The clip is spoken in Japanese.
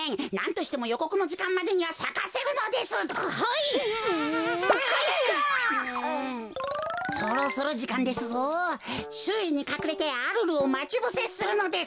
しゅういにかくれてアルルをまちぶせするのです。